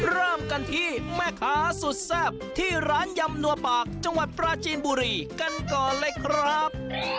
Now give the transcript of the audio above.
เริ่มกันที่แม่ค้าสุดแซ่บที่ร้านยำนัวปากจังหวัดปราจีนบุรีกันก่อนเลยครับ